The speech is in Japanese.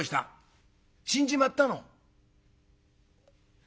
「死んじまったの」。